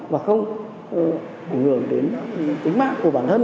và không ủng hộ đến tính mạng của bản thân